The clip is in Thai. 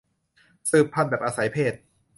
สืบพันธุ์แบบอาศัยเพศ